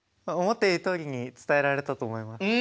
思っているとおりに伝えられたと思います。